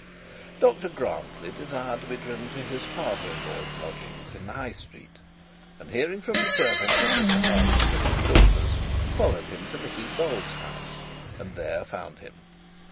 Dr Grantly desired to be driven to his father in law's lodgings in the High Street, and hearing from the servant that Mr Harding was at his daughter's, followed him to Mrs Bold's house, and there he found him.